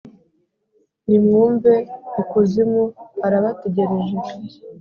nimwumve! ikuzimu harabategereje